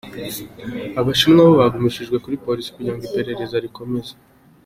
Abashinwa bo bagumishijwe kuri Polisi kugirango iperereza rikomeze.